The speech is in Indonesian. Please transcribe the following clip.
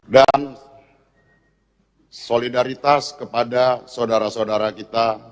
dan solidaritas kepada sodara sodara kita